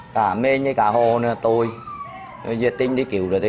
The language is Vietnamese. cả mênh cả hồ tôi diệt tinh thì cứu rồi